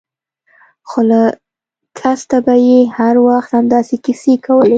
خو له کسته به يې هر وخت همداسې کيسې کولې.